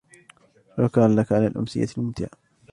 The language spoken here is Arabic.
شكرأ لكِ على الأمسية الممتعة.